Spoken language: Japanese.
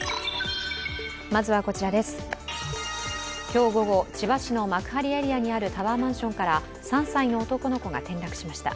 今日午後、千葉市の幕張エリアにあるタワーマンションから３歳の男の子が転落しました。